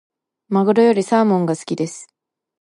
マグロよりサーモンが好きです。